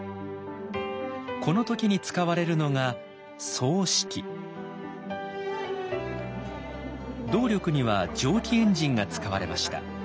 この時に使われるのが動力には蒸気エンジンが使われました。